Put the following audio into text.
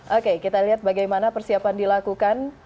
oke kita lihat bagaimana persiapan dilakukan